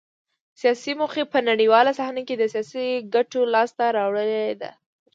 سیاسي موخې په نړیواله صحنه کې د سیاسي ګټو لاسته راوړل دي